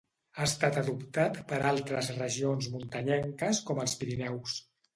Ha estat adoptat per altres regions muntanyenques com els Pirineus.